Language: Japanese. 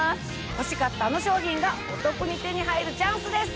欲しかったあの商品がお得に手に入るチャンスです。